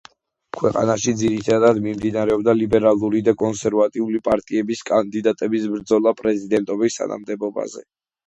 ქვეყანაში ძირითადად მიმდინარეობდა ლიბერალური და კონსერვატიული პარტიების კანდიდატების ბრძოლა პრეზიდენტის თანამდებობაზე.